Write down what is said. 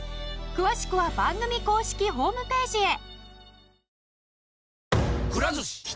詳しくは番組公式ホームページへ！